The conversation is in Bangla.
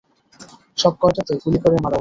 সব কয়টাতে গুলি করে মারা উচিত।